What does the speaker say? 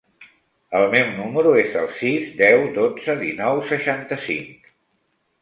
El meu número es el sis, deu, dotze, dinou, seixanta-cinc.